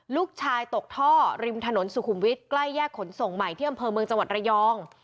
ลูกชายตกท่อริมถนนสุขุมวิทย์ใกล้แยกขนส่งใหม่ที่อำเภอเมืองจังหวัดระยอง